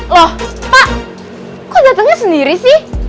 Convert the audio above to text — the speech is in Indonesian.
loh pak kok jatuhnya sendiri sih